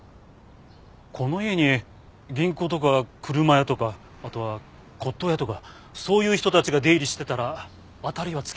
この家に銀行とか車屋とかあとは骨董屋とかそういう人たちが出入りしてたら当たりはつけられます。